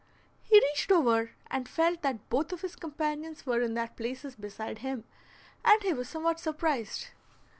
He reached over and felt that both of his companions were in their places beside him, and he was somewhat surprised.